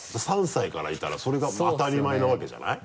３歳からいたらそれが当たり前なわけじゃない？